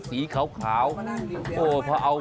ได้ยินมาจากยางรถยนต์เก่าที่วางอยู่ข้างสาลา